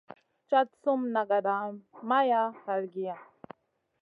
Cad sum nagada maya halgiy.